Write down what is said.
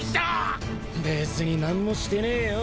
別に何もしてねえよ。